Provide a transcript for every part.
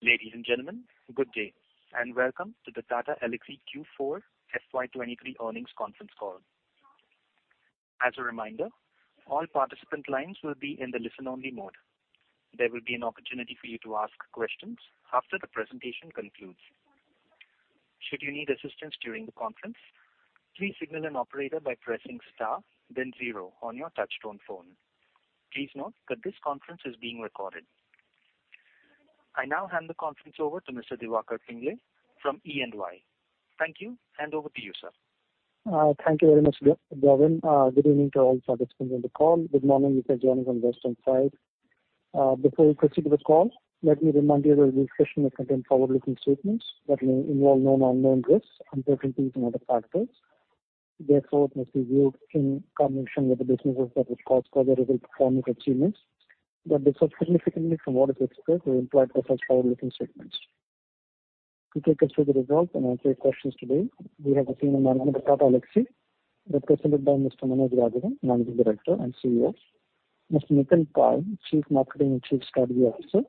Ladies and gentlemen, good day, and welcome to the Tata Elxsi Q4 FY23 earnings conference call. As a reminder, all participant lines will be in the listen-only mode. There will be an opportunity for you to ask questions after the presentation concludes. Should you need assistance during the conference, please signal an operator by pressing star then zero on your touchtone phone. Please note that this conference is being recorded. I now hand the conference over to Mr. Diwakar Pingle from EY. Thank you, and over to you, sir. Thank you very much, Gavin. Good evening to all participants on the call. Good morning if you're joining from western side. Before we proceed with the call, let me remind you that this session will contain forward-looking statements that may involve known or unknown risks, uncertainties, and other factors. It must be viewed in combination with the businesses that will cause considerable performance achievements, but they differ significantly from what is expressed or implied by such forward-looking statements. To take us through the results and answer your questions today, we have the team from Tata Elxsi, represented by Mr. Manoj Raghavan, Managing Director and CEO. Mr. Nitin Pai, Chief Marketing and Chief Strategy Officer,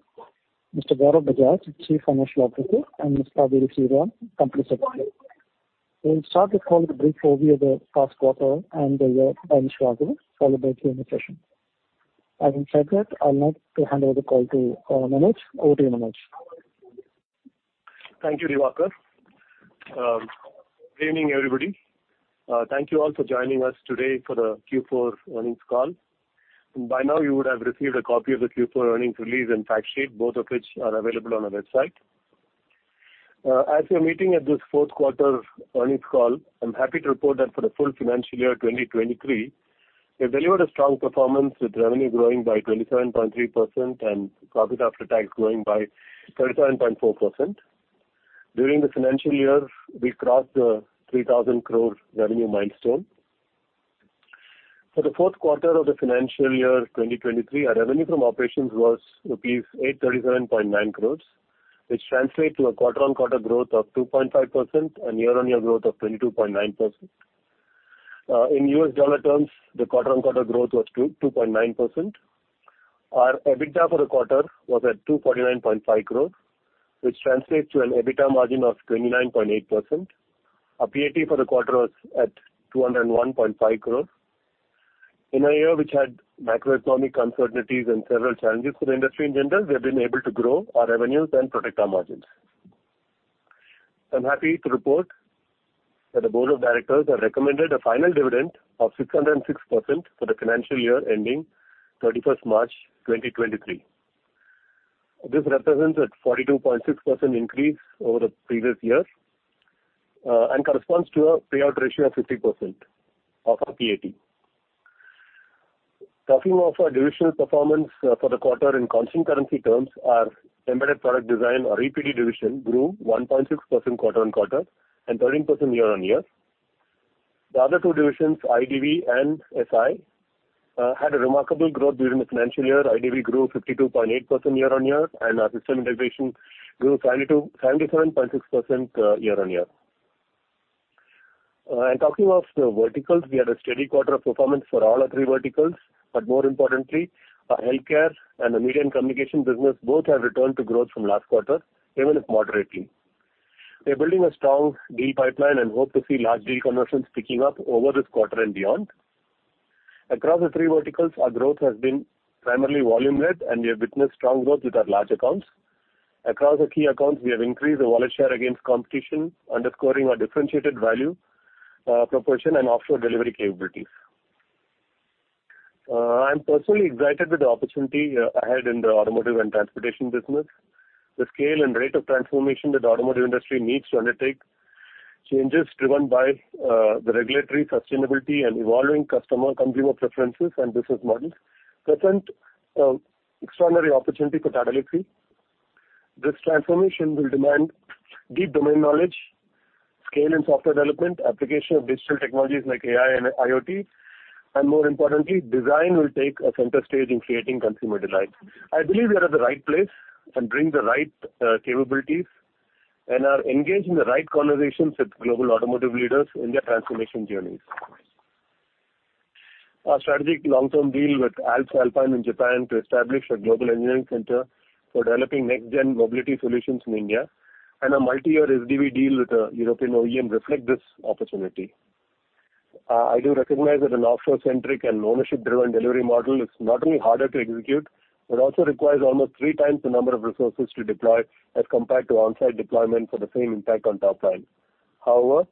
Mr. Gaurav Bajaj, Chief Financial Officer, and Ms. Cauveri Sriram, Company Secretary. We'll start the call with a brief overview of the past quarter and the year by Manoj Raghavan, followed by Q&A session. Having said that, I'd like to hand over the call to Manoj. Over to you, Manoj. Thank you, Diwakar. Good evening, everybody. Thank you all for joining us today for the Q4 earnings call. By now you would have received a copy of the Q4 earnings release and fact sheet, both of which are available on our website. As we're meeting at this Q4 earnings call, I'm happy to report that for the full financial year 2023, we've delivered a strong performance, with revenue growing by 27.3% and profit after tax growing by 37.4%. During the financial year, we crossed the 3,000 crore revenue milestone. For the Q4 of the financial year 2023, our revenue from operations was rupees 837.9 crores, which translate to a quarter-on-quarter growth of 2.5% and year-on-year growth of 22.9%. In US dollar terms, the quarter-on-quarter growth was 2.9%. Our EBITDA for the quarter was at 249.5 crores, which translates to an EBITDA margin of 29.8%. Our PAT for the quarter was at 201.5 crores. In a year which had macroeconomic uncertainties and several challenges for the industry in general, we have been able to grow our revenues and protect our margins. I'm happy to report that the board of directors have recommended a final dividend of 606% for the financial year ending 31st March 2023. This represents a 42.6% increase over the previous year and corresponds to a payout ratio of 50% of our PAT. Talking of our divisional performance, for the quarter in constant currency terms, our Embedded Product Design, or EPD division, grew 1.6% quarter-on-quarter and 13% year-on-year. The other two divisions, IDV and SI, had a remarkable growth during the financial year. IDV grew 52.8% year-on-year, our System Integration grew 77.6% year-on-year. Talking of the verticals, we had a steady quarter of performance for all our three verticals, but more importantly, our healthcare and the media and communication business both have returned to growth from last quarter, even if moderately. We're building a strong deal pipeline and hope to see large deal conversions picking up over this quarter and beyond. Across the three verticals, our growth has been primarily volume-led, and we have witnessed strong growth with our large accounts. Across the key accounts, we have increased the wallet share against competition, underscoring our differentiated value proposition, and offshore delivery capabilities. I'm personally excited with the opportunity ahead in the automotive and transportation business. The scale and rate of transformation that the automotive industry needs to undertake, changes driven by the regulatory sustainability and evolving customer consumer preferences and business models present extraordinary opportunity for Tata Elxsi. This transformation will demand deep domain knowledge, scale and software development, application of digital technologies like AI and IoT, and more importantly, design will take a center stage in creating consumer delight. I believe we are at the right place and bring the right capabilities and are engaged in the right conversations with global automotive leaders in their transformation journeys. Our strategic long-term deal with Alps Alpine in Japan to establish a global engineering center for developing next-gen mobility solutions in India and a multi-year SDV deal with a European OEM reflect this opportunity. I do recognize that an offshore-centric and ownership-driven delivery model is not only harder to execute, but also requires almost three times the number of resources to deploy as compared to on-site deployment for the same impact on top line. However,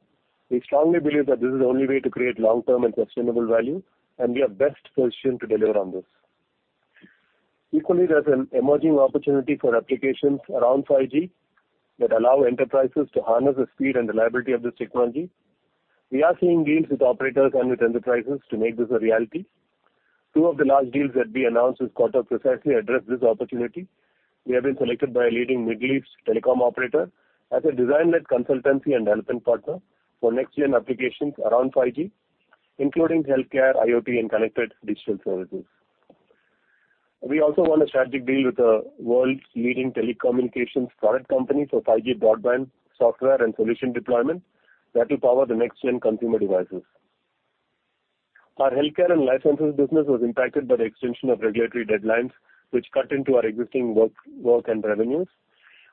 we strongly believe that this is the only way to create long-term and sustainable value, and we are best positioned to deliver on this. Equally, there's an emerging opportunity for applications around 5G that allow enterprises to harness the speed and reliability of this technology. We are seeing deals with operators and with enterprises to make this a reality. Two of the large deals that we announced this quarter precisely address this opportunity. We have been selected by a leading Middle East telecom operator as a design-led consultancy and development partner for next-gen applications around 5G, including healthcare, IoT, and connected digital services. We also won a strategic deal with the world's leading telecommunications product company for 5G broadband software and solution deployment that will power the next-gen consumer devices. Our healthcare and life sciences business was impacted by the extension of regulatory deadlines, which cut into our existing work and revenues.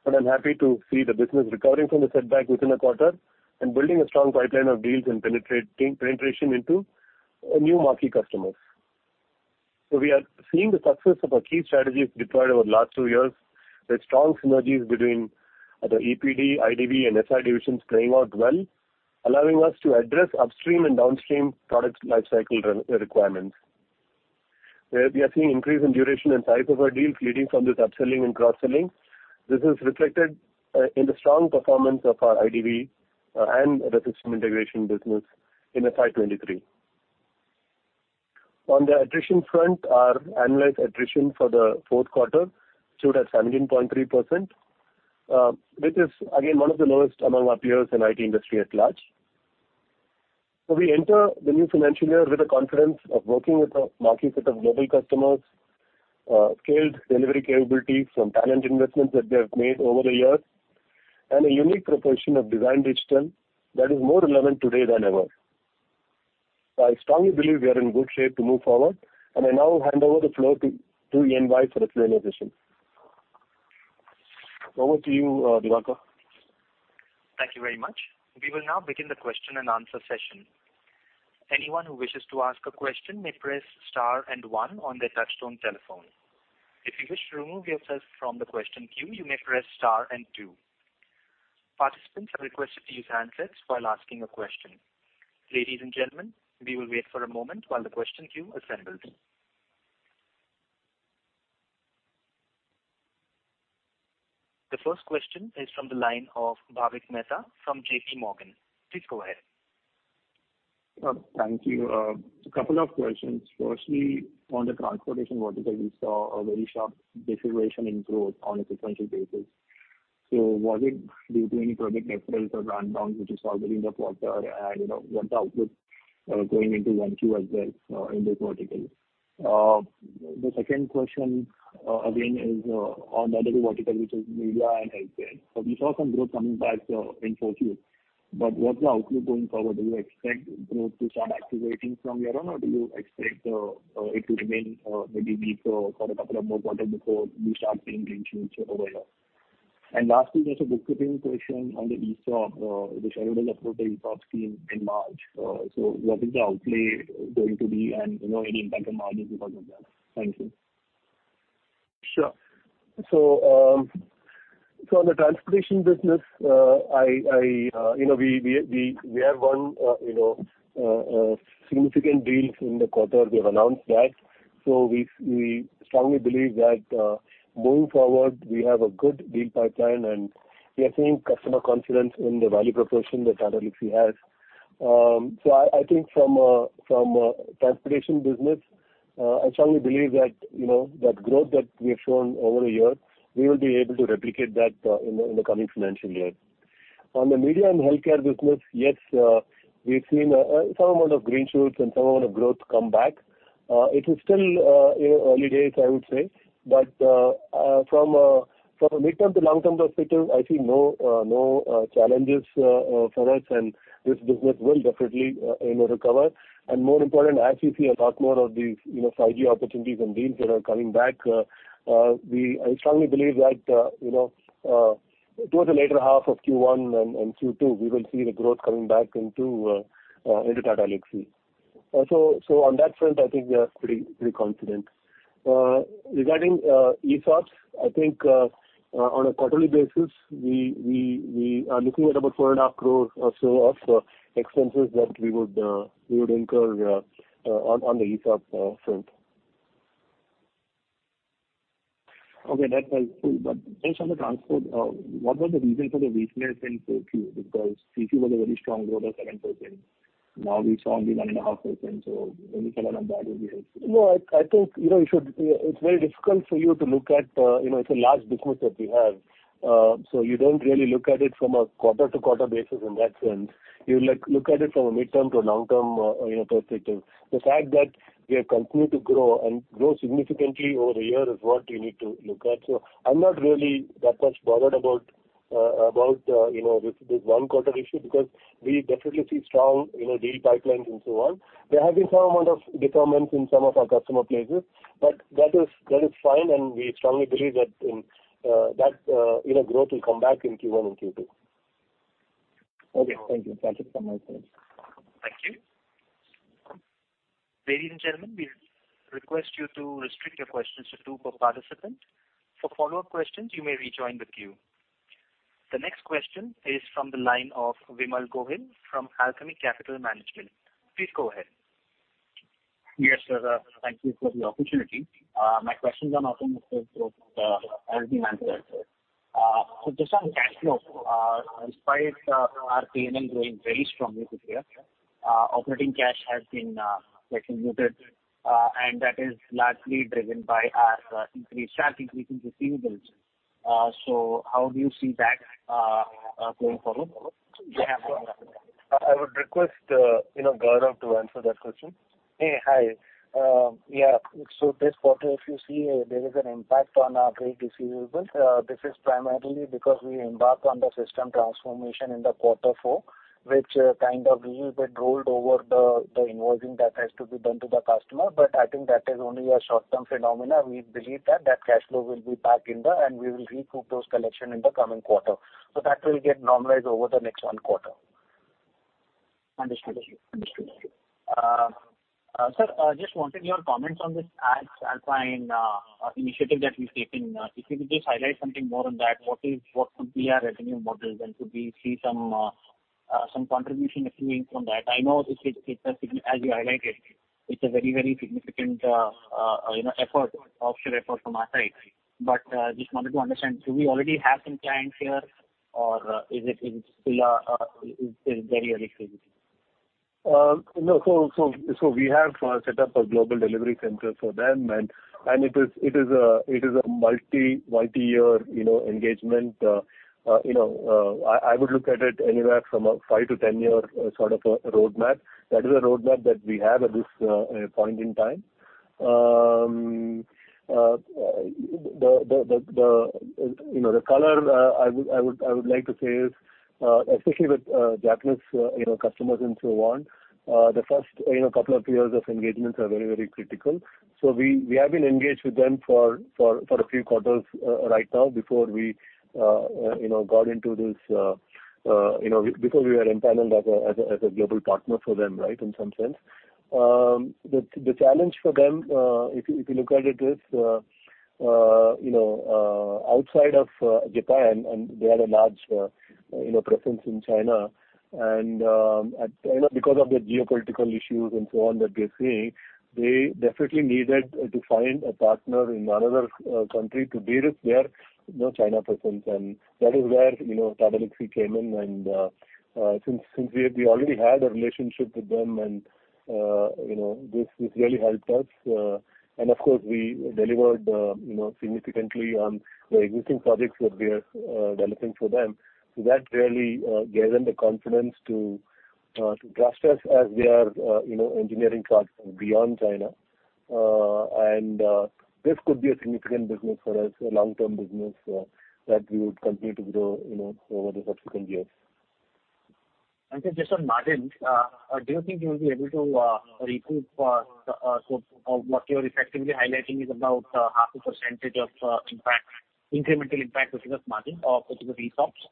I'm happy to see the business recovering from the setback within a quarter and building a strong pipeline of deals and penetration into new marquee customers. We are seeing the success of our key strategies deployed over the last two years, with strong synergies between the EPD, IDV, and SI divisions playing out well, allowing us to address upstream and downstream product lifecycle re-requirements. We are seeing increase in duration and type of our deals feeding from this upselling and cross-selling. This is reflected in the strong performance of our IDV and system integration business in FY23. On the attrition front, our annual attrition for the Q4 stood at 17.3%, which is again one of the lowest among our peers in IT industry at large. We enter the new financial year with the confidence of working with a marquee set of global customers, scaled delivery capabilities from talent investments that we have made over the years, and a unique proposition of design digital that is more relevant today than ever. I strongly believe we are in good shape to move forward, and I now hand over the floor to NY for the Q&A session. Over to you, Diwakar. Thank you very much. We will now begin the question-and-answer session. Anyone who wishes to ask a question may press star and one on their touchtone telephone. If you wish to remove yourself from the question queue, you may press star and two. Participants are requested to use handsets while asking a question. Ladies and gentlemen, we will wait for a moment while the question queue assembles. The first question is from the line of Bhavik Mehta from J.P. Morgan. Please go ahead. Thank you. A couple of questions. Firstly, on the transportation vertical, we saw a very sharp deceleration in growth on a sequential basis. Was it due to any project mix or rundowns which you saw during the quarter? What the outlook going into 1Q as well in this vertical? The second question again is on the other vertical, which is media and healthcare. We saw some growth coming back in 4Q. What's the outlook going forward? Do you expect growth to start activating from here on, or do you expect it to remain maybe weak for a couple of more quarters before we start seeing green shoots over there? Lastly, just a bookkeeping question on the ESOP, the schedule approach ESOP scheme in March. What is the outlay going to be and, you know, any impact on margins because of that? Thank you. Sure. On the transportation business, I, you know, we have won, you know, significant deals in the quarter. We have announced that. We strongly believe that, moving forward, we have a good deal pipeline, and we are seeing customer confidence in the value proposition that Tata Elxsi has. I think from transportation business, I strongly believe that, you know, that growth that we have shown over a year, we will be able to replicate that, in the coming financial year. On the media and healthcare business, yes, we've seen some amount of green shoots and some amount of growth come back. It is still, you know, early days, I would say. From a midterm to long-term perspective, I see no challenges for us, and this business will definitely, you know, recover. More important, as we see a lot more of these, you know, 5G opportunities and deals that are coming back, I strongly believe that, you know, towards the latter half of Q1 and Q2, we will see the growth coming back into Tata Elxsi. On that front, I think we are pretty confident. Regarding ESOPs, I think on a quarterly basis, we are looking at about four and a half crores or so of expenses that we would incur on the ESOP front. Okay, that helps. Based on the transport, what was the reason for the weakness in 4Q? 3Q was a very strong growth of 7%. Now we saw only 1.5%. Any color on that would be helpful. No, I think, you know, it's very difficult for you to look at, you know, it's a large business that we have. You don't really look at it from a quarter-to-quarter basis in that sense. You like look at it from a midterm to a long-term, you know, perspective. The fact that we have continued to grow and grow significantly over the year is what you need to look at. I'm not really that much bothered about, you know, this one quarter issue because we definitely see strong, you know, deal pipelines and so on. There have been some amount of determinants in some of our customer places, but that is fine, and we strongly believe that, you know, growth will come back in Q1 and Q2. Okay. Thank you. That's it from my side. Thank you. Ladies and gentlemen, we request you to restrict your questions to two per participant. For follow-up questions, you may rejoin the queue. The next question is from the line of Vimal Gohil from Alchemy Capital Management. Please go ahead. Yes, sir. Thank you for the opportunity. My questions are not on the growth, as you answered. Just on cash flow, despite our PNL growing very strongly this year, operating cash has been like muted, and that is largely driven by our increase, sharp increase in receivables. How do you see that going forward? Yeah. I would request, you know, Gaurav to answer that question. Hey. Hi. Yeah. This quarter, if you see there is an impact on our trade receivables. This is primarily because we embark on the system transformation in the quarter four, which kind of little bit rolled over the invoicing that has to be done to the customer. I think that is only a short-term phenomena. We believe that that cash flow will be back in there, and we will recoup those collection in the coming quarter. That will get normalized over the next one quarter. Understood. Understood. Sir, I just wanted your comments on this Alps Alpine initiative that you're taking. If you could just highlight something more on that. What could be our revenue model then? Could we see some contribution accruing from that? I know as you highlighted, it's a very, very significant, you know, effort, offshore effort from our side. Just wanted to understand, do we already have some clients here or is it still a very early stage? No. We have set up a global delivery center for them, and it is a multi-year, you know, engagement. You know, I would look at it anywhere from a five to 10-year sort of a roadmap. That is a roadmap that we have at this point in time. The you know, the color I would like to say is especially with Japanese you know, customers and so on, the first you know, two years of engagements are very, very critical. We have been engaged with them for a few quarters, right now before we, you know, got into this, you know, because we were empaneled as a global partner for them, right. In some sense. The challenge for them, if you look at it is, you know, outside of Japan, and they had a large, you know, presence in China and, at, you know, because of the geopolitical issues and so on that we're seeing, they definitely needed to find a partner in another country to de-risk their, you know, China presence. That is where, you know, Tata Elxsi came in and since we already had a relationship with them and, you know, this really helped us. Of course, we delivered, you know, significantly on the existing projects that we are developing for them. That really gave them the confidence to trust us as their, you know, engineering partner beyond China. This could be a significant business for us, a long-term business that we would continue to grow, you know, over the subsequent years. Sir, just on margins, do you think you'll be able to recoup, so, what you're effectively highlighting is about 0.5% of impact, incremental impact, which is margin or which is ESOPs?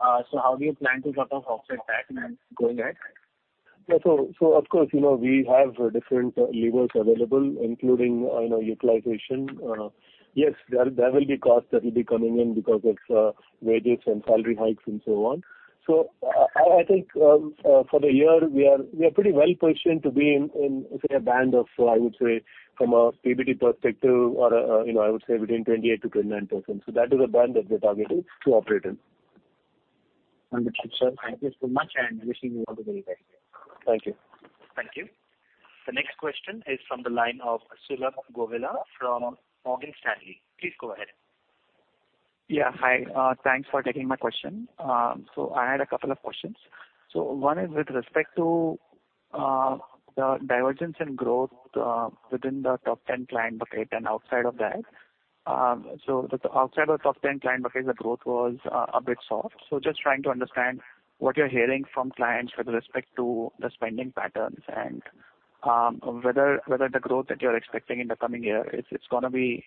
How do you plan to sort of offset that going ahead? Yeah. Of course, you know, we have different levers available, including, you know, utilization. Yes, there will be costs that will be coming in because of wages and salary hikes and so on. I think, for the year, we are pretty well positioned to be in, say, a band of, I would say, from a PBT perspective or, you know, I would say between 28%-29%. That is a band that we are targeting to operate in. Understood, sir. Thank you so much. Wishing you all the very best. Thank you. Thank you. The next question is from the line of Sulabh Govila from Morgan Stanley. Please go ahead. Yeah. Hi. Thanks for taking my question. I had a couple of questions. One is with respect to the divergence in growth within the top 10 client bucket and outside of that. The outside of the top 10 client bucket, the growth was a bit soft. Just trying to understand what you're hearing from clients with respect to the spending patterns and whether the growth that you're expecting in the coming year, is it's gonna be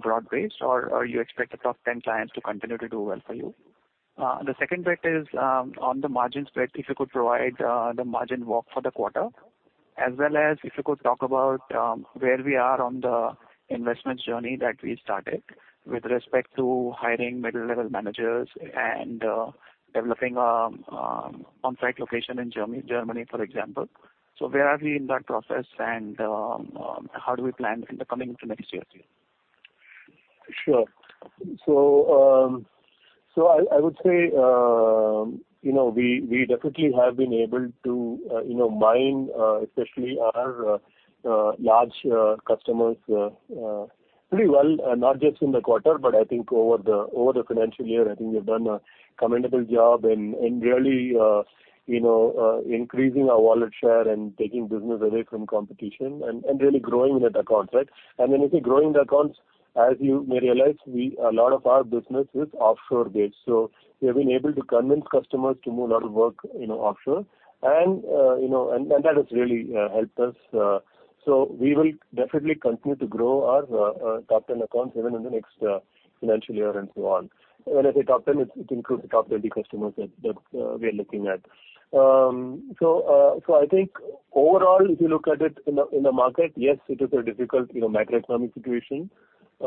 broad-based or you expect the top 10 clients to continue to do well for you? The second bit is on the margin spread. If you could provide the margin walk for the quarter. If you could talk about, where we are on the investments journey that we started with respect to hiring middle-level managers and developing on-site location in Germany, for example? Where are we in that process and how do we plan in the coming into next year too? Sure. I would say, you know, we definitely have been able to, you know, mine, especially our, large, customers, pretty well, not just in the quarter, but I think over the, over the financial year, I think we've done a commendable job in really, you know, increasing our wallet share and taking business away from competition and really growing that account, right? When I say growing the accounts, as you may realize, a lot of our business is offshore-based. We have been able to convince customers to move a lot of work, you know, offshore and, you know, and that has really, helped us. We will definitely continue to grow our top 10 accounts even in the next financial year and so on. When I say top 10, it includes the top 20 customers that we are looking at. I think overall, if you look at it in the market, yes, it is a difficult, you know, macroeconomic situation. You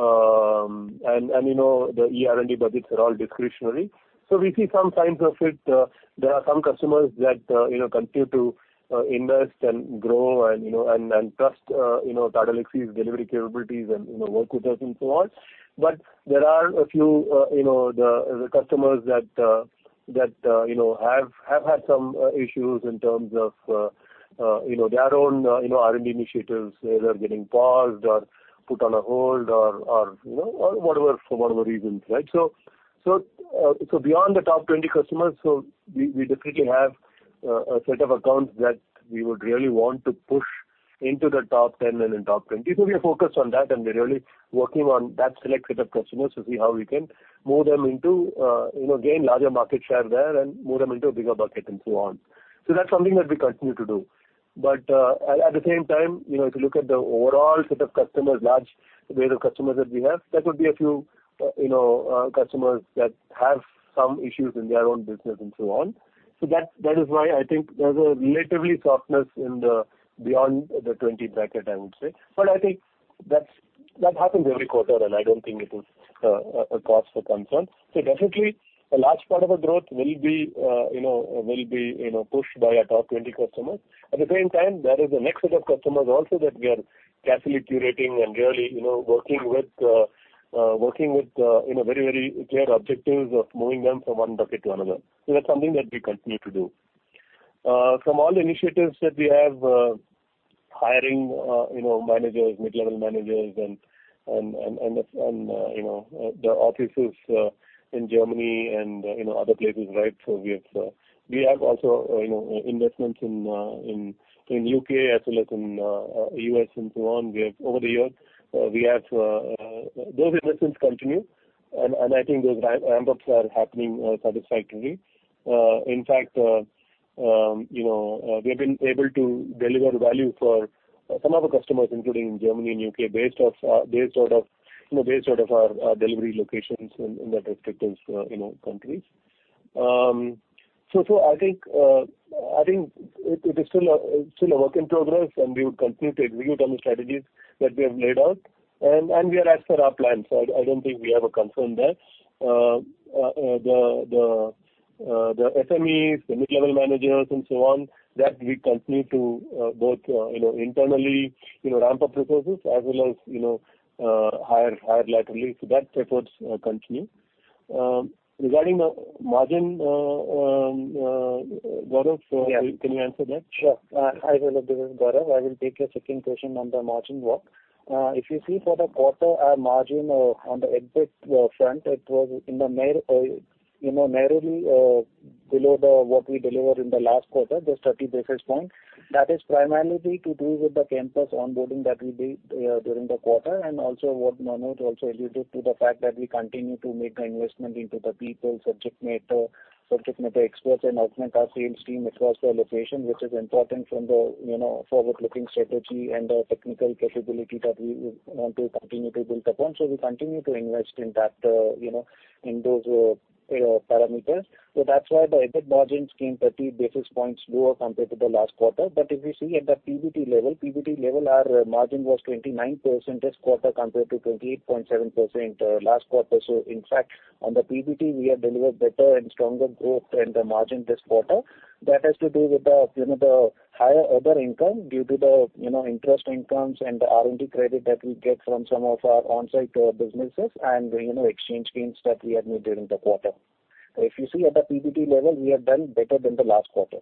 know, the E-R&D budgets are all discretionary. We see some signs of it. There are some customers that, you know, continue to invest and grow and, you know, trust, you know, Tata Elxsi's delivery capabilities and, you, know, work with us and so on. There are a few, you know, the customers that, you know, have had some issues in terms of, you know, their own, you know, R&D initiatives, whether getting paused or put on a hold or, you know, or whatever, for whatever reasons, right? So beyond the top 20 customers, we definitely have a set of accounts that we would really want to push into the top 10 and in top 20. So we are focused on that, and we're really working on that select set of customers to see how we can move them into, you know, gain larger market share there and move them into a bigger bucket and so on. So that's something that we continue to do. At the same time, you know, if you look at the overall set of customers, large base of customers that we have, there could be a few, you know, customers that have some issues in their own business and so on. That is why I think there's a relatively softness in the beyond the 20 bracket, I would say. I think that's, that happens every quarter, and I don't think it is a cause for concern. Definitely a large part of our growth will be, you know, pushed by our top 20 customers. At the same time, there is a next set of customers also that we are carefully curating and really, you know, working with, you know, very, very clear objectives of moving them from one bucket to another. That's something that we continue to do. From all the initiatives that we have, hiring, you know, managers, mid-level managers and, you know, the offices in Germany and, you know, other places, right? We have also, you know, investments in in UK as well as in US and so on. We have over the years, we have, those investments continue and I think those ramps are happening satisfactorily., we have been able to deliver value for some of our customers, including in Germany and U.K. based out of, you know, based out of our delivery locations in that respective, you know, countries. I think it is still a work in progress, and we would continue to execute on the strategies that we have laid out. And we are as per our plans. I don't think we have a concern there. The SMEs, the mid-level managers and so on, that we continue to both, you know, internally, ramp up resources as well as, you know, hire laterally. That efforts continue. Regarding the margin, Gaurav- Yes. Can you answer that? Sure. Hi, Vivek. This is Gaurav. I will take your second question on the margin work. If you see for the quarter, our margin on the EBIT front, it was in the narrow, you know, narrowly below what we delivered in the last quarter, just 30 basis points. That is primarily to do with the campus onboarding that we did during the quarter. What Manoj also alluded to the fact that we continue to make investment into the people, subject matter experts, and augment our sales team across the location, which is important from the, you know, forward-looking strategy and the technical capability that we want to continue to build upon. We continue to invest in that, you know, in those, you know, parameters. That's why the EBIT margins came 30 basis points lower compared to the last quarter. If you see at the PBT level, our margin was 29% this quarter compared to 28.7%, last quarter. In fact, on the PBT we have delivered better and stronger growth and the margin this quarter. That has to do with the, you know, the higher other income due to the, you know, interest incomes and the R&D credit that we get from some of our onsite businesses and, you know, exchange gains that we had made during the quarter. If you see at the PBT level, we have done better than the last quarter.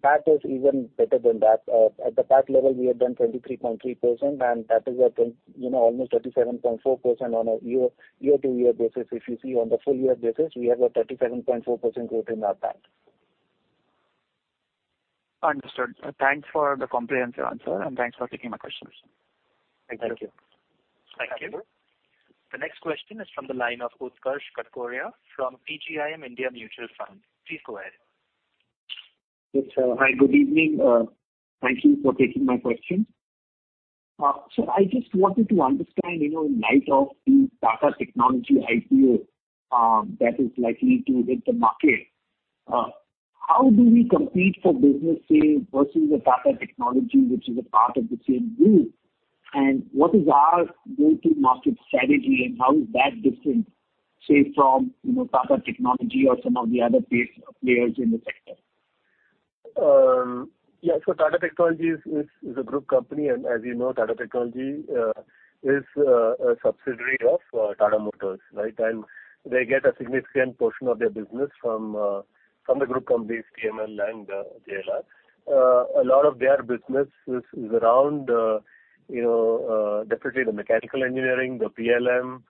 PAT is even better than that. At the PAT level, we have done 23.3%. That is almost 37.4% on a year-to-year basis. If you see on the full year basis, we have a 37.4% growth in our PAT. Understood. Thanks for the comprehensive answer. Thanks for taking my questions. Thank you. Thank you. Thank you. The next question is from the line of Utkarsh Katkoria from PGIM India Mutual Fund. Please go ahead. Yes, sir. Hi, good evening. Thank you for taking my question. I just wanted to understand, you know, in light of the Tata Technologies IPO, that is likely to hit the market, how do we compete for business, say, versus the Tata Technologies, which is a part of the same group? What is our go-to-market strategy, and how is that different, say, from, you know, Tata Technologies or some of the other base players in the sector? Yeah. Tata Technologies is a group company. As you know, Tata Technologies is a subsidiary of Tata Motors, right? They get a significant portion of their business from the group companies TML and JLR. A lot of their business is around, you know, definitely the mechanical engineering, the PLM.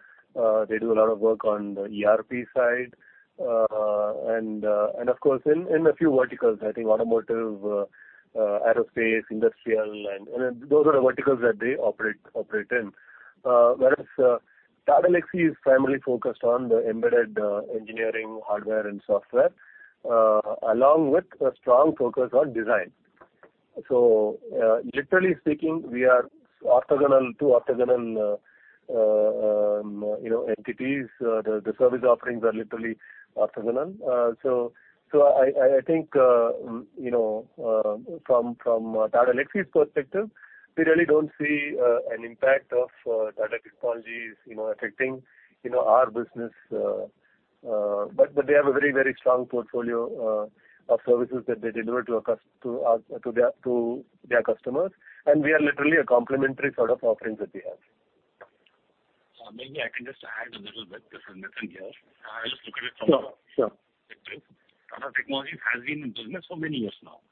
They do a lot of work on the ERP side. Of course, in a few verticals, I think automotive, aerospace, industrial, and those are the verticals that they operate in. Whereas Tata Elxsi is primarily focused on the embedded engineering hardware and software, along with a strong focus on design. Literally speaking, we are orthogonal, two orthogonal, you know, entities. The service offerings are literally orthogonal. I think, you know, from Tata Elxsi's perspective, we really don't see an impact of Tata Technologies, you know, affecting, you know, our business. They have a very, very strong portfolio of services that they deliver to their customers. We are literally a complementary set of offerings that we have. Maybe I can just add a little bit. This is Nitin here. I just look at it from. Sure, sure. Different perspective. Tata Technology has been in business for many years now.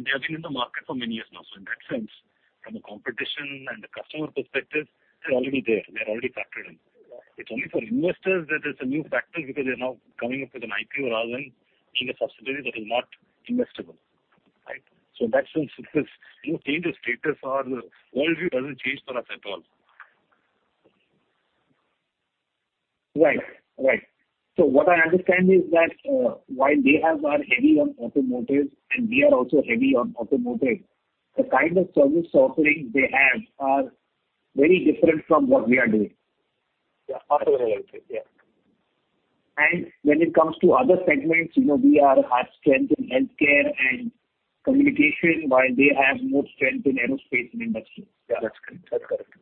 They have been in the market for many years now. In that sense, from a competition and a customer perspective, they're already there, they're already factored in. It's only for investors that it's a new factor because they're now coming up with an IPO rather than being a subsidiary that is not investable, right? In that sense, it is no change of status or world view doesn't change for us at all. Right. Right. What I understand is that, while they have are heavy on automotive and we are also heavy on automotive, the kind of service offerings they have are very different from what we are doing. Yeah. Auto electric. Yeah. When it comes to other segments, you know, we have strength in healthcare and communication while they have more strength in aerospace and industry. Yeah, that's correct. That's correct.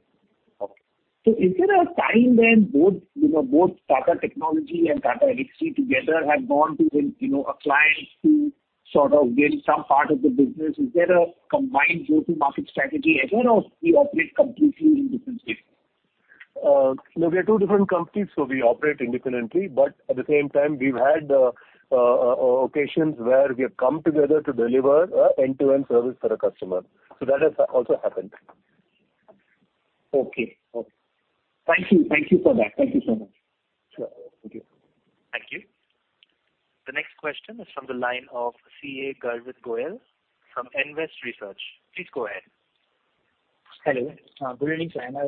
Okay. Is there a time when both, you know, both Tata Technologies and Tata Elxsi together have gone to win, you know, a client to sort of win some part of the business? Is there a combined go-to-market strategy at all or we operate completely in different ways? No, we are two different companies, so we operate independently. At the same time, we've had occasions where we have come together to deliver a end-to-end service for a customer. That has also happened. Okay. Thank you. Thank you for that. Thank you so much. Sure. Thank you. Thank you. The next question is from the line of CA Garvit Goyal from Nvest Research. Please go ahead. Hello. Good evening, sir. Am I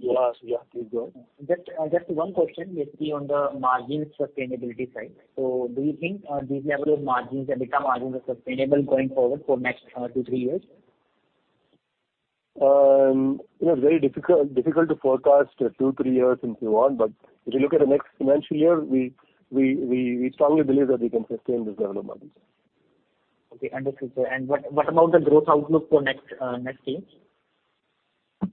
audible? Yes. Yeah, please go ahead. Just one question, basically on the margin sustainability side. Do you think these level of margins are sustainable going forward for next two, three years? you know, it's very difficult to forecast two, three years into on. If you look at the next financial year, we strongly believe that we can sustain this level of margins. Okay, understood, sir. What about the growth outlook for next year?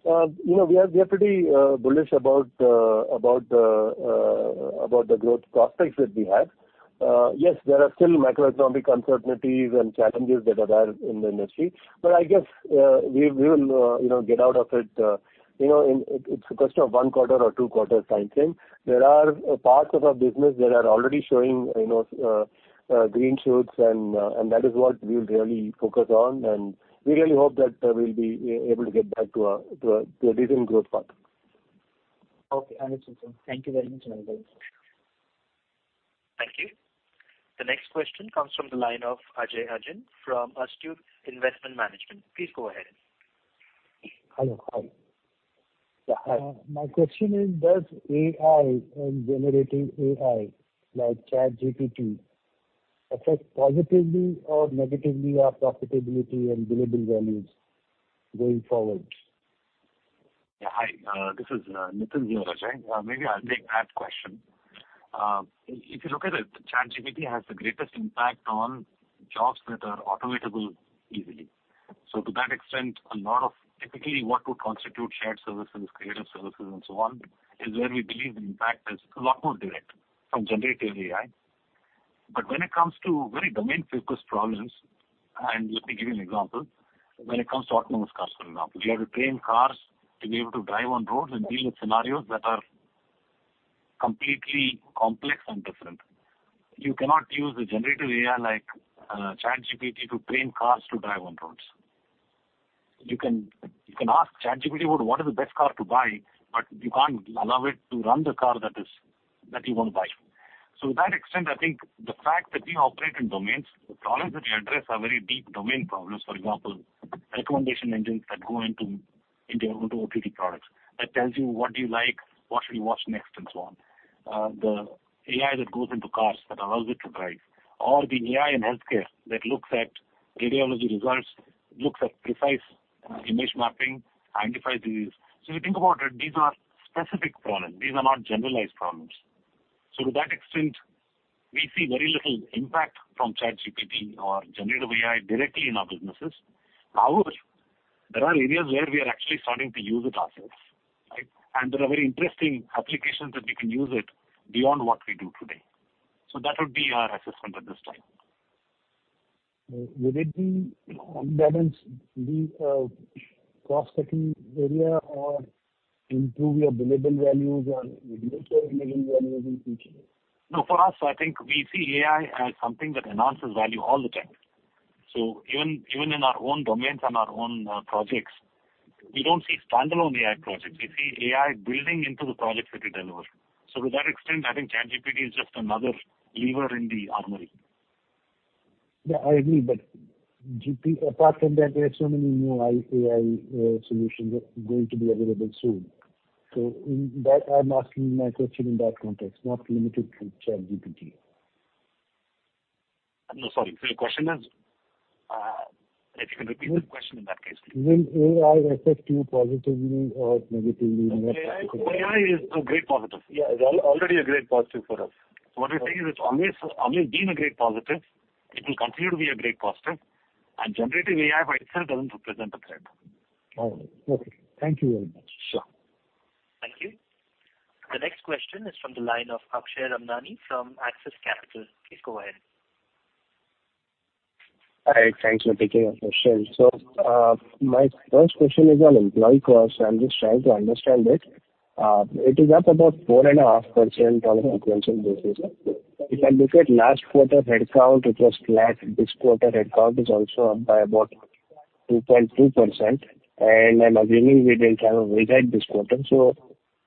you know, we are pretty bullish about about the growth prospects that we have. Yes, there are still macroeconomic uncertainties and challenges that are there in the industry. I guess, we will, you know, get out of it. you know, it's a question of one quarter or two quarter type thing. There are parts of our business that are already showing, you know, green shoots and that is what we'll really focus on, and we really hope that we'll be able to get back to a decent growth path. Okay, understood, sir. Thank you very much. Thank you. The next question comes from the line of Ajay Jain from Astute Investment Management. Please go ahead. Hello. Hi. My question is, does AI and generative AI like ChatGPT affect positively or negatively our profitability and billable values going forward? Hi, this is Nitin here, Ajay. Maybe I'll take that question. If you look at it, ChatGPT has the greatest impact on jobs that are automatable easily. To that extent, a lot of typically what would constitute shared services, creative services and so on, is where we believe the impact is a lot more direct from generative AI. When it comes to very domain-focused problems, and let me give you an example. When it comes to autonomous cars, for example, you have to train cars to be able to drive on roads and deal with scenarios that are completely complex and different. You cannot use a generative AI like ChatGPT to train cars to drive on roads. You can ask ChatGPT about what is the best car to buy, but you can't allow it to run the car that you want to buy. To that extent, I think the fact that we operate in domains, the problems that we address are very deep domain problems. For example, recommendation engines that go into OTT products that tells you what do you like, what should you watch next and so on. The AI that goes into cars that allows it to drive, or the AI in healthcare that looks at radiology results, looks at precise image mapping, identifies disease. If you think about it, these are specific problems. These are not generalized problems. To that extent, we see very little impact from ChatGPT or generative AI directly in our businesses. However, there are areas where we are actually starting to use it ourselves, right? There are very interesting applications that we can use it beyond what we do today. That would be our assessment at this time. Would it be, on balance, be a cost-cutting area or improve your billable values or reduce your billable values in future? For us, I think we see AI as something that enhances value all the time. Even in our own domains and our own projects, we don't see standalone AI projects. We see AI building into the projects that we deliver. To that extent, I think ChatGPT is just another lever in the armory. Yeah, I agree. Apart from that, there are so many new AI solutions that are going to be available soon. In that, I'm asking my question in that context, not limited to ChatGPT. No, sorry. Your question is? If you can repeat the question in that case please. Will AI affect you positively or negatively? AI is a great positive. Yeah. Already a great positive for us. What we're saying is it's always been a great positive. It will continue to be a great positive. Generative AI by itself doesn't represent a threat. All right. Okay. Thank you very much. Sure. Thank you. The next question is from the line of Akshay Ramnani from Axis Capital. Please go ahead. Hi. Thanks for taking our question. My first question is on employee costs. I'm just trying to understand. It is up about 4.5% on a sequential basis. If I look at last quarter headcount, it was flat. This quarter headcount is also up by about 2.2%. I'm assuming we didn't have a widget this quarter.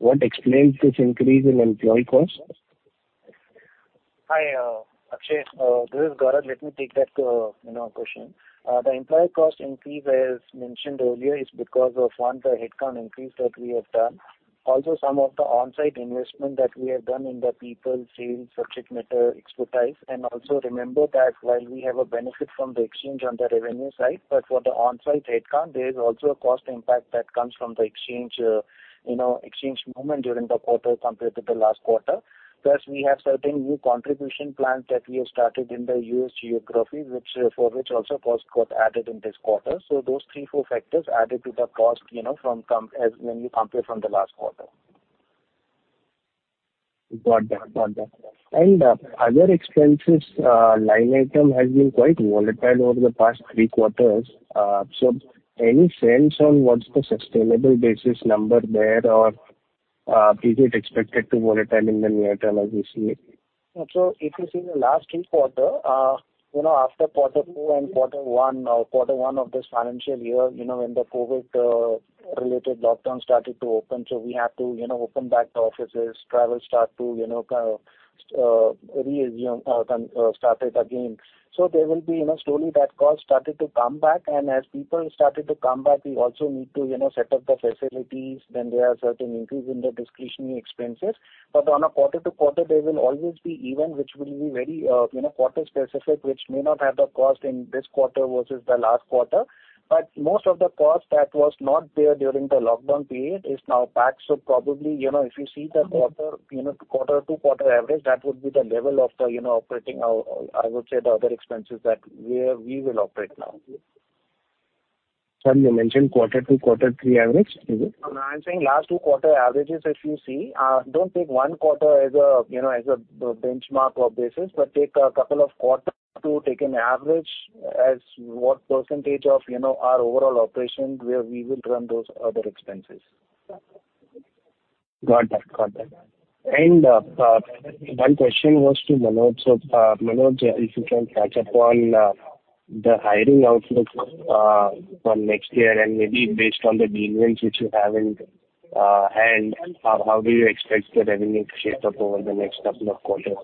What explains this increase in employee costs? Hi, Akshay. This is Gaurav. Let me take that, you know, question. The employee cost increase, as mentioned earlier, is because of 1, the headcount increase that we have done. Also some of the on-site investment that we have done in the people, sales, subject matter expertise. Also remember that while we have a benefit from the exchange on the revenue side, but for the on-site headcount, there is also a cost impact that comes from the exchange, you know, exchange movement during the quarter compared to the last quarter. We have certain new contribution plans that we have started in the US geography, which, for which also cost got added in this quarter. Those three, four factors added to the cost, you know, from when you compare from the last quarter. Got that. Other expenses, line item has been quite volatile over the past three quarters. Any sense on what's the sustainable basis number there or, is it expected to volatile in the near term as we see it? If you see the last three quarter, you know, after quarter two and quarter one, quarter one of this financial year, you know, when the COVID related lockdown started to open. We had to, you know, open back the offices, travel started again. There will be, you know, slowly that cost started to come back. As people started to come back, we also need to, you know, set up the facilities. There are certain increase in the discretionary expenses. On a quarter to quarter, there will always be event which will be very, you know, quarter specific, which may not have the cost in this quarter versus the last quarter. Most of the cost that was not there during the lockdown period is now back. Probably, you know, if you see the quarter, you know, quarter to quarter average, that would be the level of the, you know, operating. I would say the other expenses that where we will operate now. Sorry, you mentioned quarter to quarter three average. No, I'm saying last two quarter averages if you see. Don't take one quarter as a, you know, as a benchmark or basis, but take a couple of quarter to take an average as what percentage of, you know, our overall operations where we will run those other expenses. Got that. Got that. One question was to Manoj. Manoj, if you can catch up on the hiring outlook for next year and maybe based on the demands which you have in hand, how do you expect the revenue to shape up over the next couple of quarters?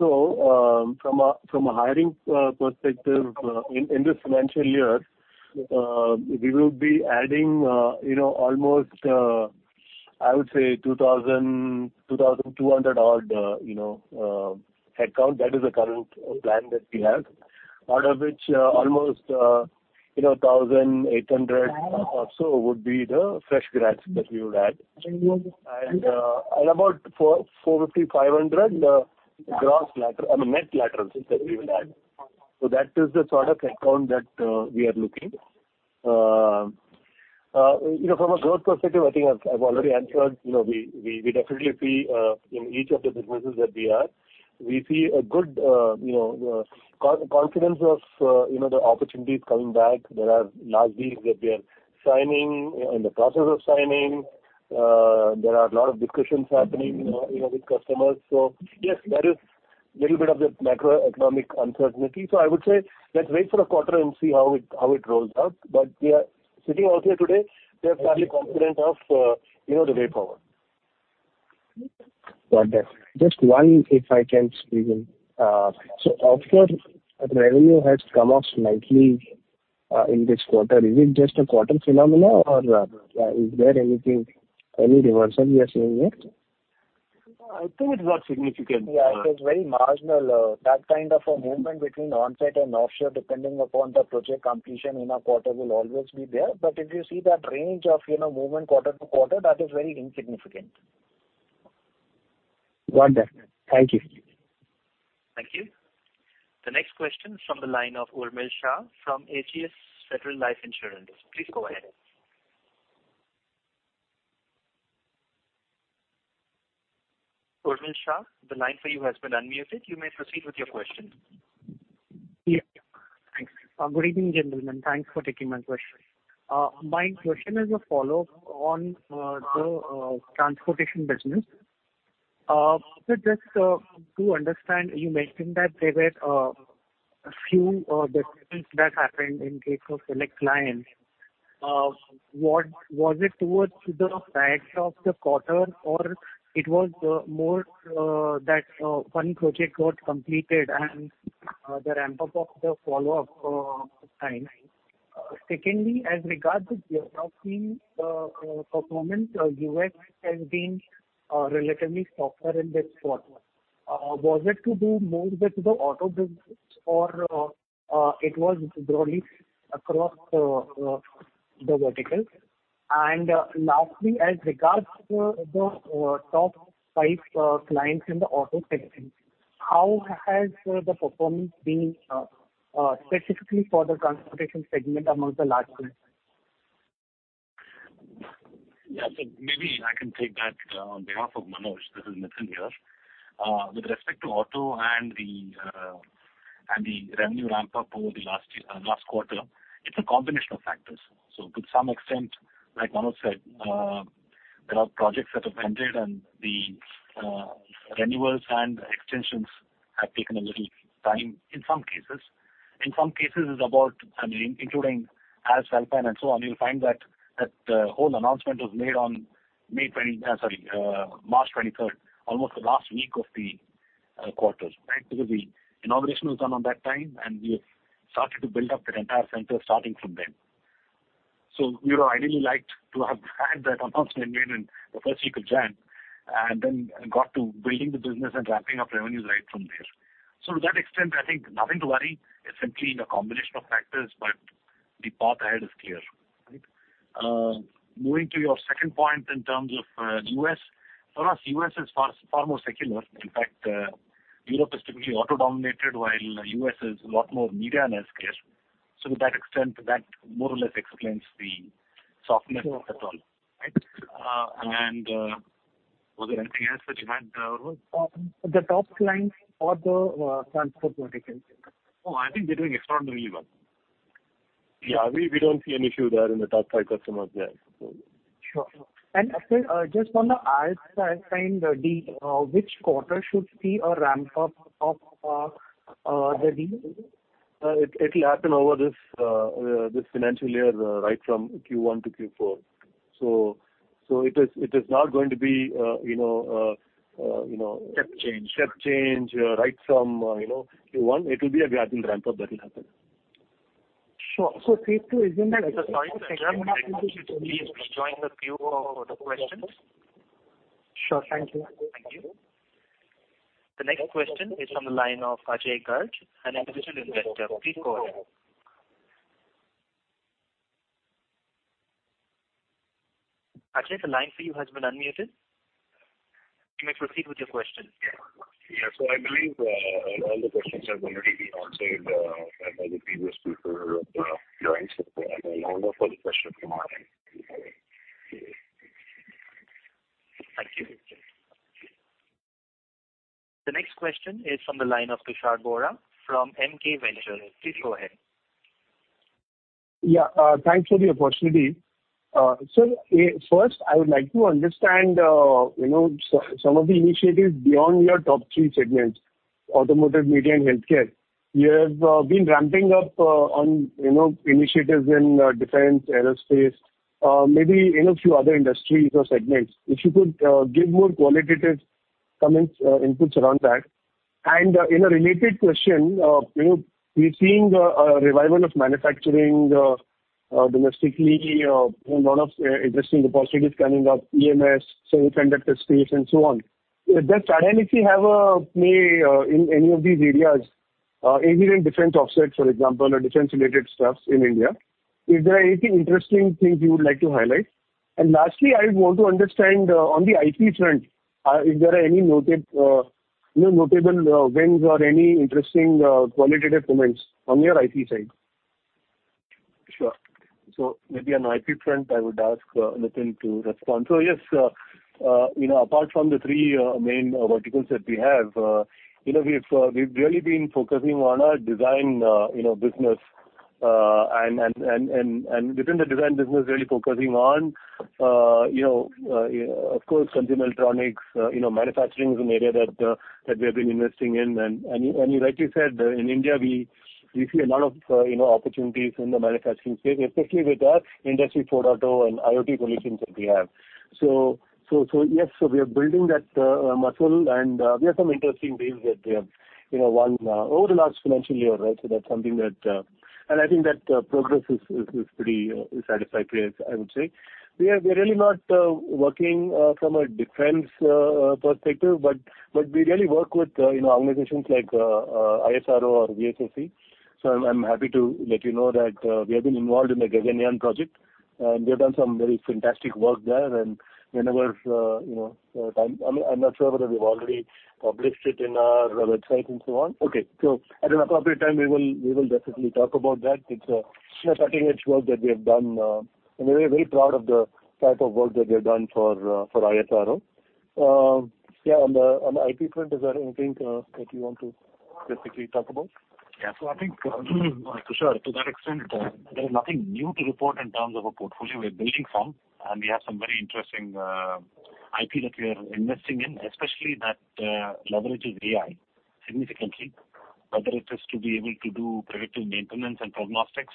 From a hiring perspective, in this financial year, we will be adding almost, I would say 2,000-2,200 odd headcount. That is the current plan that we have. Out of which, almost 1,800 or so would be the fresh grads that we would add. About 450-500 gross lateral, I mean, net laterals that we will add. That is the sort of headcount that we are looking. From a growth perspective, I think I've already answered. We definitely see in each of the businesses that we are, we see a good confidence of the opportunities coming back. There are large deals that we are signing, in the process of signing. There are a lot of discussions happening, you know, with customers. Yes, there is little bit of the macroeconomic uncertainty. I would say let's wait for a quarter and see how it rolls out. We are sitting out here today, we are fairly confident of, you know, the way forward. Got that. Just one if I can squeeze in. Offshore revenue has come off slightly in this quarter. Is it just a quarter phenomena or is there anything, any reversal you are seeing there? No, I think it's not significant. Yeah, it is very marginal. That kind of a movement between onsite and offshore, depending upon the project completion in a quarter will always be there. If you see that range of, you know, movement quarter to quarter, that is very insignificant. Got that. Thank you. Thank you. The next question is from the line of Urmil Shah from Ageas Federal Life Insurance. Please go ahead. Urmil Shah, the line for you has been unmuted. You may proceed with your question. Yeah. Thanks. Good evening, gentlemen. Thanks for taking my question. My question is a follow-up on the transportation business. Just to understand, you mentioned that there were a few decisions that happened in case of select clients. Was it towards the back of the quarter or it was more that one project got completed and the ramp up of the follow up time? Secondly, as regards to geography performance, US has been relatively softer in this quarter. Was it to do more with the auto business or it was broadly across the verticals? Lastly, as regards to the top five clients in the auto segment, how has the performance been specifically for the transportation segment among the large clients? Yeah. Maybe I can take that on behalf of Manoj. This is Nitin here. With respect to auto and the revenue ramp-up over the last quarter, it's a combination of factors. To some extent, like Manoj said, there are projects that have ended and the renewals and extensions have taken a little time in some cases. In some cases, it's about, I mean, including Alps Alpine and so on, you'll find that whole announcement was made on March 23rd, almost the last week of the quarter. Right. Because the inauguration was done on that time, and we have started to build up that entire center starting from then. You know, ideally liked to have had that announcement made in the 1st week of January and then got to building the business and ramping up revenues right from there. To that extent, I think nothing to worry. It's simply a combination of factors, but the path ahead is clear. Right? Moving to your second point in terms of U.S. For us, U.S. is far, far more secular. In fact, Europe is typically auto-dominated, while U.S. is a lot more media and healthcare. To that extent, that more or less explains the softness of it all. Right? And, was there anything else which you had, Rahul? The top clients or the transport verticals. Oh, I think they're doing extraordinarily well. Yeah. We don't see an issue there in the top five customers. Yeah. Sure. sir, just want to ask, which quarter should see a ramp-up of the deal? It'll happen over this financial year, right from Q1 to Q4. It is not going to be, you know. Step change. Step change, right from, you know, Q1. It will be a gradual ramp-up that will happen. Sure. Q2 is when. Sorry to interrupt. Can I please join the queue for the questions? Sure. Thank you. Thank you. The next question is from the line of Ajay Garg, an individual investor. Please go ahead. Ajay, the line for you has been unmuted. You may proceed with your question. Yeah. I believe, all the questions have already been answered, by the previous speaker, during Thank you. The next question is from the line of Tushar Bohra from MK Ventures. Please go ahead. Yeah. Thanks for the opportunity. Sir, first I would like to understand, you know, some of the initiatives beyond your top three segments, automotive, media, and healthcare. You have been ramping up on, you know, initiatives in defense, aerospace, maybe in a few other industries or segments. If you could give more qualitative comments, inputs around that. In a related question, you know, we're seeing a revival of manufacturing domestically, a lot of investing deposits coming up, EMS, semiconductor space, and so on. Does Tata Elxsi have a play in any of these areas, maybe in defense offsets, for example, or defense-related stuffs in India? Is there anything interesting things you would like to highlight? Lastly, I want to understand on the IT front, if there are any noted, you know, notable wins or any interesting qualitative comments on your IT side? Sure. Maybe on IT front, I would ask Nitin to respond. Yes, you know, apart from the three main verticals that we have, you know, we've really been focusing on our design, you know, business. Within the design business, really focusing on, you know, of course, consumer electronics. You know, manufacturing is an area that we have been investing in. You rightly said, in India, we see a lot of, you know, opportunities in the manufacturing space, especially with our Industry 4.0 and IoT solutions that we have. Yes. We are building that muscle, and we have some interesting deals that we have, you know, won over the last financial year, right? That's something that. I think that progress is pretty satisfactory, I would say. We're really not working from a defense perspective, but we really work with, you know, organizations like ISRO or VSSC. I'm happy to let you know that we have been involved in the Gaganyaan project, and we have done some very fantastic work there. Whenever, you know, time. I mean, I'm not sure whether we've already published it in our website and so on. Okay. At an appropriate time, we will definitely talk about that. It's a cutting-edge work that we have done, and we're very proud of the type of work that we have done for ISRO. On the, on the IT front, is there anything that you want to specifically talk about? Yeah. I think, Tushar, to that extent, there is nothing new to report in terms of our portfolio. We're building some, and we have some very interesting IP that we are investing in, especially that leverages AI significantly, whether it is to be able to do predictive maintenance and prognostics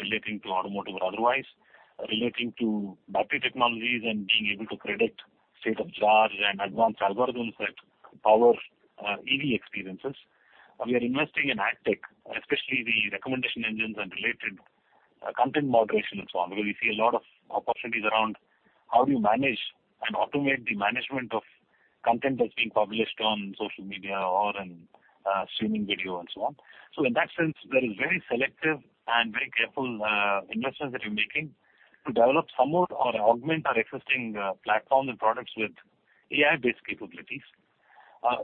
relating to automotive or otherwise, relating to battery technologies and being able to predict state of charge and advanced algorithms that power EV experiences. We are investing in AgTech, especially the recommendation engines and related content moderation and so on, where we see a lot of opportunities around how do you manage and automate the management of content that's being published on social media or in streaming video and so on. In that sense, there is very selective and very careful investments that we're making to develop some more or augment our existing platform and products with AI-based capabilities.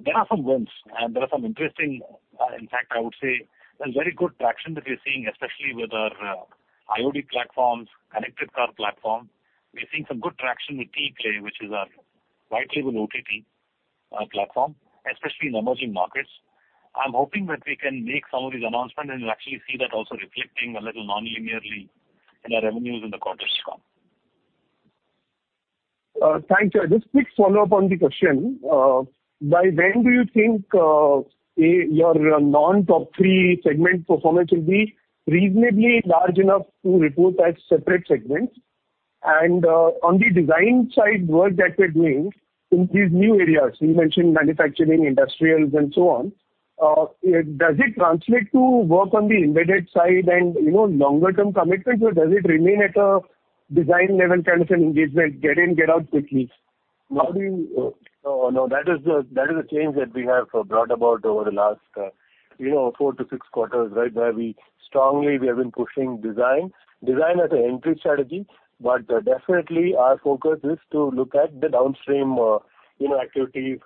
There are some wins and there are some interesting, in fact, I would say a very good traction that we're seeing, especially with our IoT platforms, connected car platform. We're seeing some good traction with TEPlay, which is our widely with OTT platform, especially in emerging markets. I'm hoping that we can make some of these announcements, you'll actually see that also reflecting a little non-linearly in our revenues in the quarters to come. Thank you. Just quick follow-up on the question. By when do you think your non-top three segment performance will be reasonably large enough to report as separate segments? On the design side work that you're doing in these new areas, you mentioned manufacturing, industrials and so on, does it translate to work on the embedded side and, you know, longer-term commitment, or does it remain at a design-level kind of an engagement, get in, get out quickly? How do you? No, that is a, that is a change that we have brought about over the last, you know, four to six quarters, right. Where we have been pushing design as an entry strategy. Definitely our focus is to look at the downstream, you know, activities,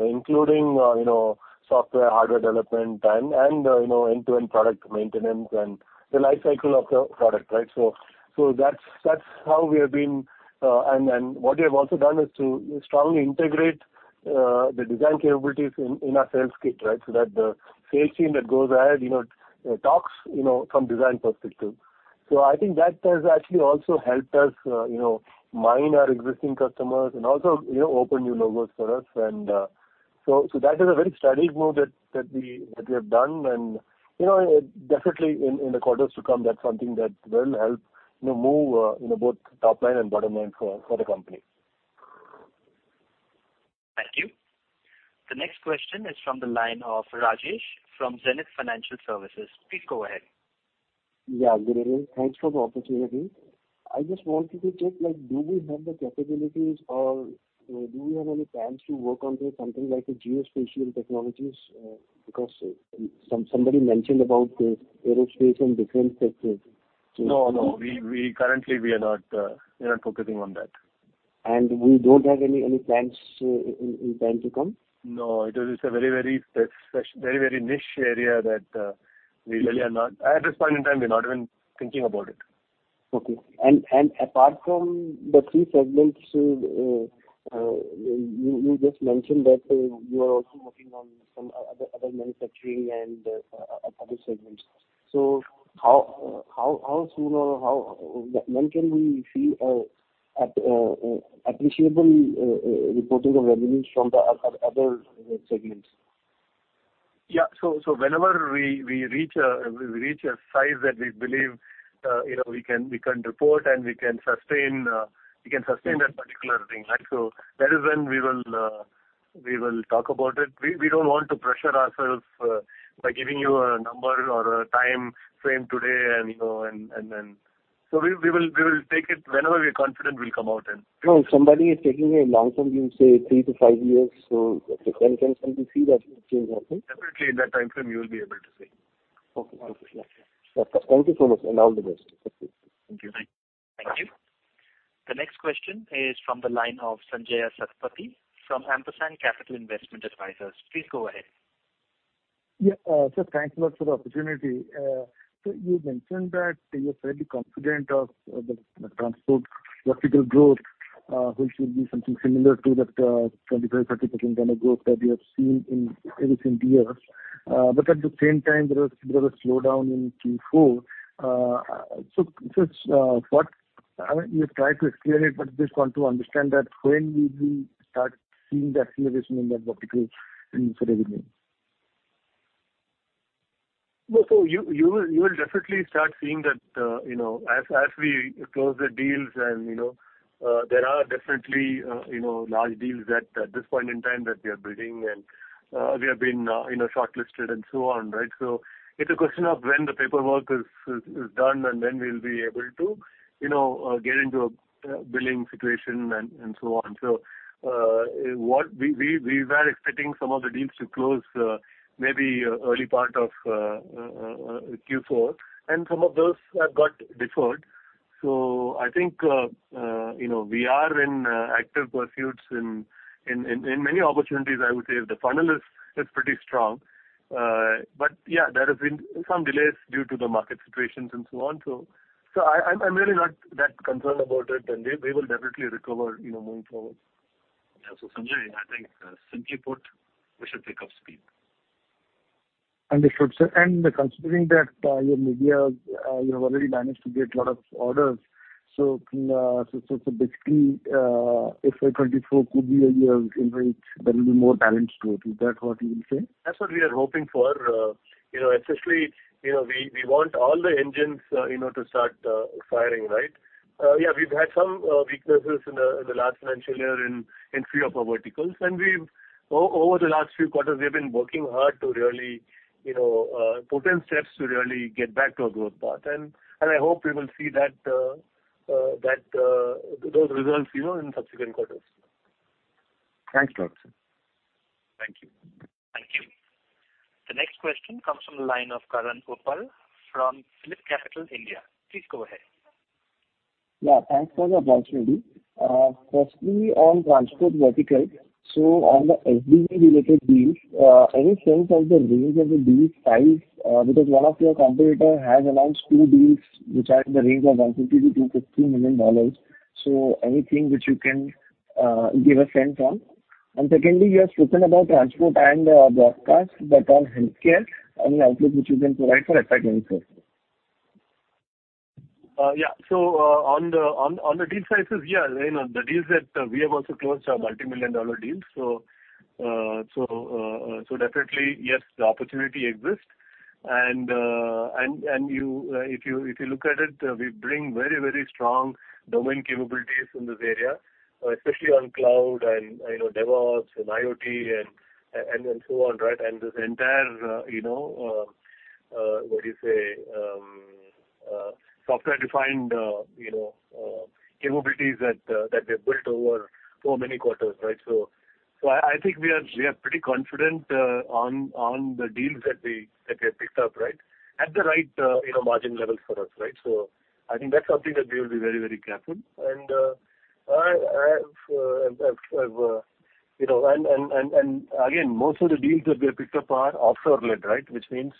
including, you know, software, hardware development and, you know, end-to-end product maintenance and the life cycle of the product, right. That's how we have been, and what we have also done is to strongly integrate the design capabilities in our sales kit, right. That the sales team that goes ahead, you know, talks, you know, from design perspective. I think that has actually also helped us, you know, mine our existing customers and also, you know, open new logos for us and that is a very strategic move that we have done. You know, definitely in the quarters to come, that's something that will help, you know, move, you know, both top line and bottom line for the company. Thank you. The next question is from the line of Rajesh from Zenith Financial Services. Please go ahead. Yeah. Good evening. Thanks for the opportunity. I just want you to check, like, do we have the capabilities or, you know, do we have any plans to work on the something like a geospatial technologies? Because somebody mentioned about the aerospace and defense sector. No, we currently are not focusing on that. We don't have any plans in time to come? No. It is a very, very niche area that we really are not... At this point in time, we're not even thinking about it. Okay. Apart from the three segments, you just mentioned that you are also working on some other manufacturing and other segments. How soon or when can we see appreciable reporting of revenues from the other segments? Yeah. Whenever we reach a size that we believe, you know, we can report and we can sustain that particular thing, right? That is when we will talk about it. We don't want to pressure ourselves by giving you a number or a timeframe today and, you know, and then... We will take it whenever we are confident we'll come out and- No, somebody is taking a long-term view, say three to five years. When can somebody see that change happen? Definitely in that timeframe you will be able to see. Okay. Wonderful. Thank you. Thank you so much, and all the best. Thank you. Thank you. The next question is from the line of Sanjaya Satpathy from Ampersand Capital Investment Advisors. Please go ahead. Yeah. Sir, thanks a lot for the opportunity. You mentioned that you're fairly confident of the transport vertical growth, which will be something similar to that 25%-30% kind of growth that we have seen in recent years. At the same time, there was bit of a slowdown in Q4. I mean, you have tried to explain it, but just want to understand that when we will start seeing the acceleration in that vertical in sort of revenue. No. You will definitely start seeing that, you know, as we close the deals and, you know, there are definitely, you know, large deals that at this point in time that we are bidding and, we have been, you know, shortlisted and so on, right? It's a question of when the paperwork is done and when we'll be able to, you know, get into a billing situation and so on. What we were expecting some of the deals to close, maybe early part of Q4, and some of those have got deferred. I think, you know, we are in active pursuits in many opportunities, I would say the funnel is pretty strong. Yeah, there have been some delays due to the market situations and so on. I'm really not that concerned about it. We will definitely recover, you know, moving forward. Yeah. Sanjaya, I think, simply put, we should pick up speed. Understood, sir. Considering that, you maybe, you have already managed to get lot of orders, so basically, FY 2024 could be a year in which there will be more balance to it. Is that what you will say? That's what we are hoping for. You know, essentially, you know, we want all the engines, you know, to start firing, right? Yeah, we've had some weaknesses in the last financial year in three of our verticals. Over the last few quarters, we've been working hard to really, you know, put in steps to really get back to a growth path. I hope we will see that those results, you know, in subsequent quarters. Thanks a lot, sir. Thank you. The next question comes from the line of Karan Uppal from PhillipCapital India. Please go ahead. Thanks for the opportunity. Firstly, on transport vertical. On the SVB related deals, any sense of the range of the deal size? Because one of your competitor has announced 2 deals which are in the range of $150 million-$250 million. Anything which you can give a sense on. Secondly, you have spoken about transport and broadcast, but on healthcare, any outlook which you can provide for FY 2024? Yeah, on the deal sizes, yeah. You know, the deals that we have also closed are multimillion dollar deals. Definitely, yes, the opportunity exists. You, if you look at it, we bring very, very strong domain capabilities in this area, especially on cloud and, you know, DevOps and IoT and so on, right? This entire, you know, what do you say, software-defined capabilities that we have built over so many quarters, right? I think we are pretty confident on the deals that we have picked up, right? At the right, you know, margin levels for us, right? I think that's something that we will be very, very careful. I've, you know, and again, most of the deals that we have picked up are offshore-led, right? Which means,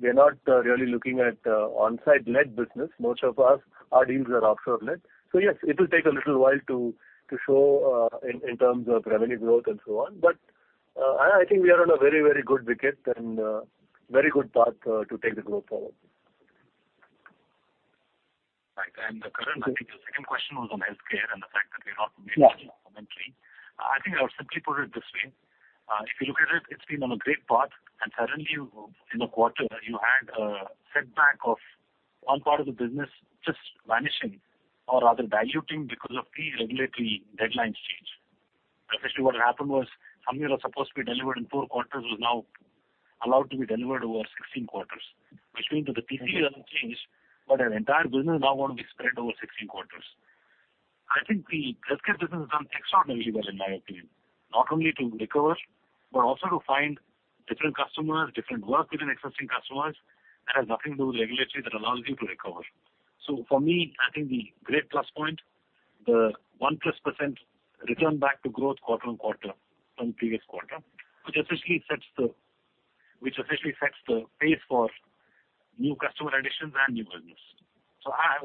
we are not really looking at on-site-led business. Most of our deals are offshore-led. Yes, it will take a little while to show in terms of revenue growth and so on. I think we are on a very, very good wicket and very good path to take the growth forward. Right. Karan, I think the second question was on healthcare and the fact that we have not made. Yes. any commentary. I think I would simply put it this way. If you look at it's been on a great path, and suddenly you, in a quarter, you had a setback of one part of the business just vanishing or rather diluting because of pre-regulatory deadline change. Especially what happened was, some deals are supposed to be delivered in four quarters was now allowed to be delivered over 16 quarters. Which means that the TC doesn't change, but an entire business now gonna be spread over 16 quarters. I think the healthcare business has done extraordinarily well in my opinion, not only to recover, but also to find different customers, different work within existing customers, that has nothing to do with regulatory that allows you to recover. For me, I think the great plus point, the 1%+ return back to growth quarter-on-quarter from previous quarter, which officially sets the pace for new customer additions and new business. I,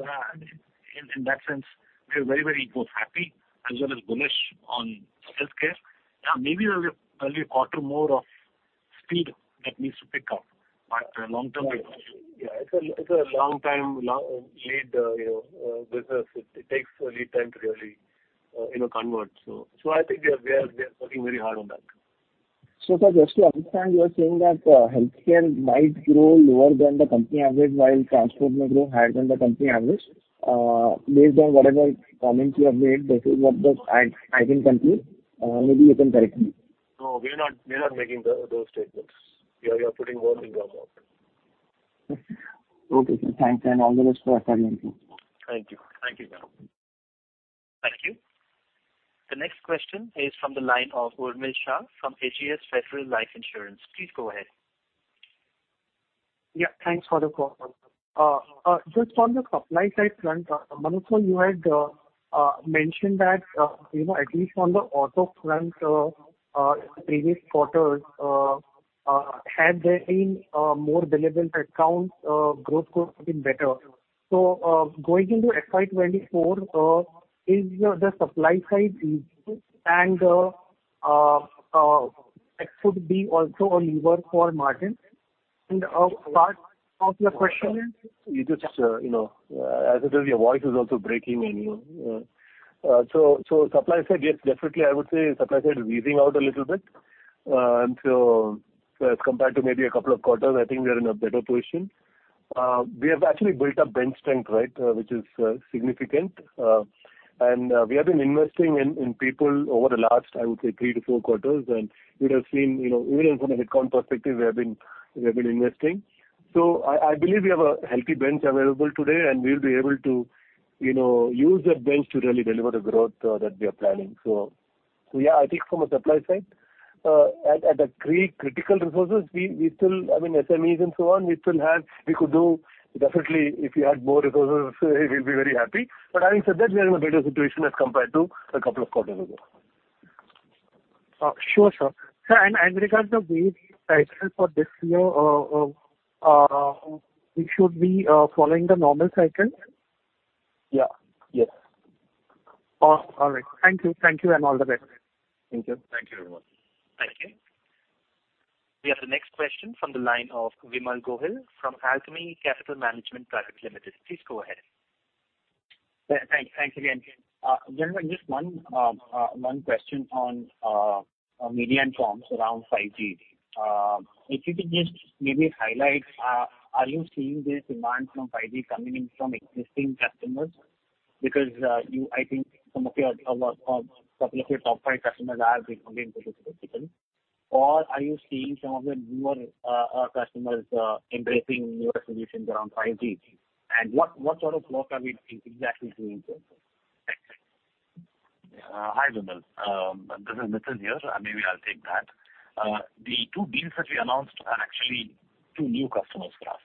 in that sense, we are very, very both happy as well as bullish on healthcare. Now, maybe there's an early quarter more of speed that needs to pick up, but long-term. Yeah. Yeah. It's a long-time, long-lead, you know, business. It takes a lead time to really, you know, convert. I think we are working very hard on that. Sir, just to understand, you are saying that healthcare might grow lower than the company average, while transport may grow higher than the company average. Based on whatever comments you have made, this is what I can conclude. Maybe you can correct me. No, we are not making those statements. You are putting words in our mouth. Okay, sir. Thanks. All the best for FY 2024. Thank you. Thank you, Karan. Thank you. The next question is from the line of Urmil Shah from Ageas Federal Life Insurance. Please go ahead. Yeah, thanks for the call. Just on the supply side front, Manoj sir, you had mentioned that, you know, at least on the auto front, previous quarters, had there been more relevant accounts, growth could have been better. So, going into FY 2024, is the supply side easy? And it could be also a lever for margin. And part of your question is- You just, you know, as it is your voice is also breaking and, you know. Thank you. Supply side, yes, definitely I would say supply side is easing out a little bit. As compared to maybe a couple of quarters, I think we are in a better position. We have actually built up bench strength, right, which is significant. We have been investing in people over the last, I would say three to four quarters. We'd have seen, you know, even from an account perspective, we have been investing. I believe we have a healthy bench available today, and we'll be able to, you know, use that bench to really deliver the growth, that we are planning. Yeah, I think from a supply side, at the critical resources, we still, I mean, SMEs and so on, we still have, we could do definitely if we had more resources, we'll be very happy. Having said that, we are in a better situation as compared to 2 quarters ago. Sure, sir. Sir, as regards the wage cycle for this year, we should be following the normal cycle? Yeah. Yes. All right. Thank you. Thank you and all the best. Thank you. Thank you very much. Thank you. We have the next question from the line of Vimal Gohil from Alchemy Capital Management Pvt. Ltd.. Please go ahead. Yeah. Thanks. Thanks again. Gentlemen, just one question on media and comms around 5G. If you could just maybe highlight, are you seeing this demand from 5G coming in from existing customers? Because, I think some of your, couple of your top five customers are big on the infrastructure vertical. Or are you seeing some of the newer, customers, embracing newer solutions around 5G? What sort of work are we seeing exactly doing here? Hi, Vimal. This is Nitin here. Maybe I'll take that. The two deals that we announced are actually two new customers for us.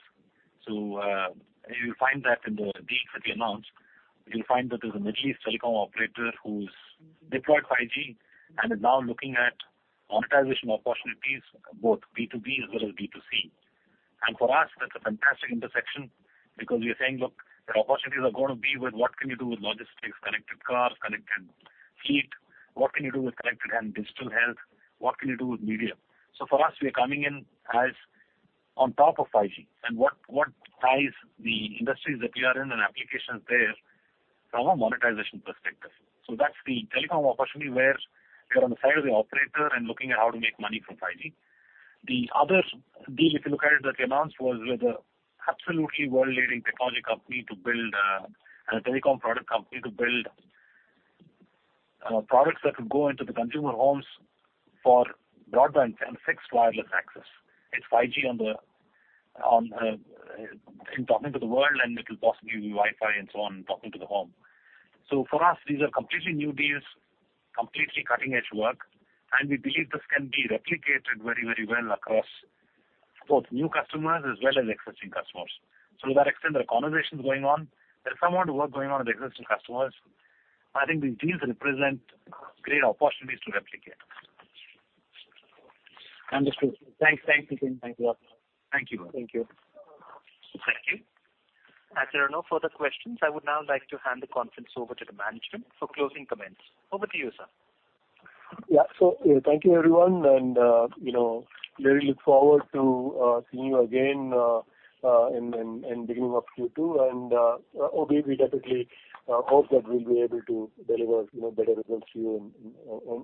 You'll find that in the deals that we announced, you'll find that there's a Middle East telecom operator who's deployed 5G and is now looking at monetization opportunities, both B2B as well as B2C. For us, that's a fantastic intersection because we are saying, look, the opportunities are gonna be with what can you do with logistics, connected cars, connected fleet. What can you do with connected and digital health. What can you do with media. For us, we are coming in as on top of 5G and what ties the industries that we are in and applications there from a monetization perspective. That's the telecom opportunity where you're on the side of the operator and looking at how to make money from 5G. The other deal, if you look at it, that we announced was with an absolutely world-leading technology company to build a telecom product company to build products that could go into the consumer homes for broadband and fixed wireless access. It's 5G on the in talking to the world, and it will possibly be Wi-Fi and so on in talking to the home. For us, these are completely new deals, completely cutting-edge work, and we believe this can be replicated very, very well across both new customers as well as existing customers. To that extent, there are conversations going on. There's somewhat work going on with existing customers. I think these deals represent great opportunities to replicate. Understood. Thanks. Thanks, Mithil. Thanks a lot. Thank you. Thank you. Thank you. As there are no further questions, I would now like to hand the conference over to the management for closing comments. Over to you, sir. Yeah. Thank you, everyone, and, you know, really look forward to seeing you again in beginning of Q2. Obviously, we definitely hope that we'll be able to deliver, you know, better results to you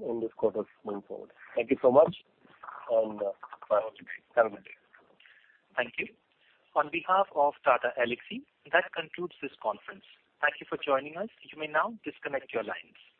in this quarter going forward. Thank you so much, and have a good day. Thank you. On behalf of Tata Elxsi, that concludes this conference. Thank you for joining us. You may now disconnect your lines.